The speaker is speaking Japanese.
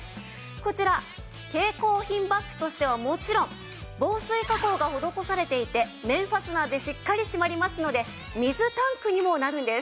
こちら携行品バッグとしてはもちろん防水加工が施されていて面ファスナーでしっかり閉まりますので水タンクにもなるんです。